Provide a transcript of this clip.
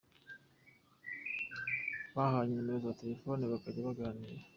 Bahanye nimero za telefone bakajya baganira.